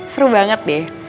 seru banget deh